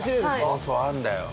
そうそうあるんだよ。